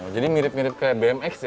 jadi mirip mirip kayak bmx ya